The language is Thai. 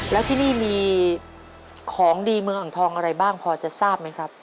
แล้วที่นี่มีของดีเมืองอ่างทองอะไรบ้างพอจะทราบไหมครับ